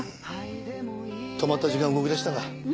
止まった時間動き出したか。